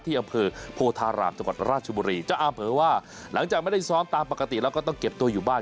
อำเภอโพธารามจังหวัดราชบุรีเจ้าอามเผยว่าหลังจากไม่ได้ซ้อมตามปกติแล้วก็ต้องเก็บตัวอยู่บ้าน